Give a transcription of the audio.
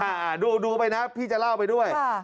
อ่าดูดูไปนะพี่จะเล่าไปด้วย